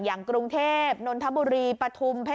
อย่างกรุงเทพนลธบุรีปฐุมเพชรบุรี